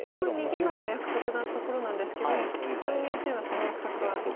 逃げないお約束なところなんですけど場合によってはその約束は。